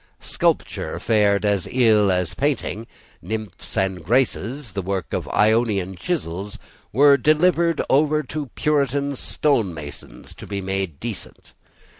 Sculpture fared as ill as painting. Nymphs and Graces, the work of Ionian chisels, were delivered over to Puritan stonemasons to be made decent.